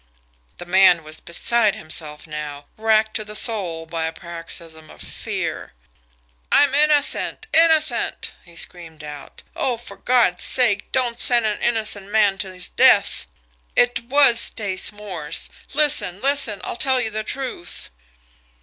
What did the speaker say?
The man was beside himself now racked to the soul by a paroxysm of fear. "I'm innocent innocent!" he screamed out. "Oh, for God's sake, don't send an innocent man to his death. It WAS Stace Morse. Listen! Listen! I'll tell the truth."